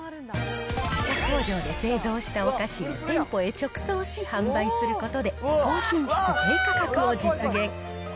自社工場で製造したお菓子を店舗へ直送し、販売することで、高品質、低価格を実現。